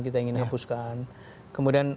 kita ingin hapuskan kemudian